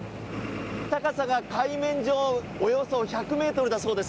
高さが海面上およそ１００ｍだそうです。